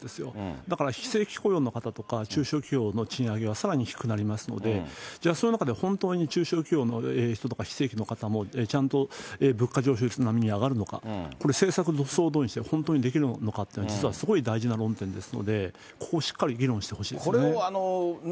だから、非正規雇用の方とか中小企業の賃上げはさらに低くなりますので、そういう中で、本当に中小企業の人とか、非正規の方も、ちゃんと物価上昇率並みに上がるのか、これ、政策総動員して本当にできるのかって、実はすごい大事な論点ですので、ここをしっかり議論してほしいですね。